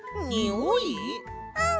うん。